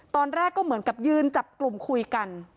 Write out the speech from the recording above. ตอนแรกก็เหมือนกับยืนจับกลุ่มคุยกัน